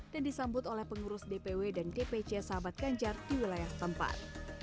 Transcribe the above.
dan disambut oleh pengurus dpw dan dpc sahabat ganjar di wilayah tempat